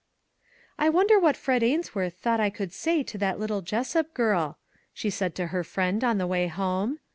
" I wonder what Fred Ains worth thought I could say to that little Jessup girl," she said to her friend on the way home.